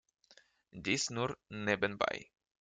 Dies nur nebenbei.